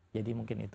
jadi mungkin itu